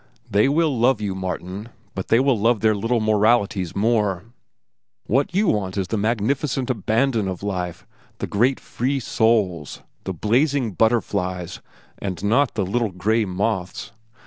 They will love you, Martin, but they will love their little moralities more. What you want is the magnificent abandon of life, the great free souls, the blazing butterflies and not the little gray moths.